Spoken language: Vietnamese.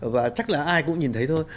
và chắc là ai cũng nhìn thấy thôi